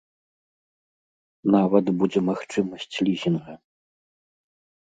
Нават будзе магчымасць лізінга.